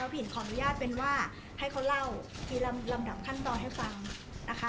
พินขออนุญาตเป็นว่าให้เขาเล่าทีลำดับขั้นตอนให้ฟังนะคะ